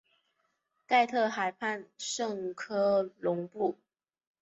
盖特河畔圣科隆布。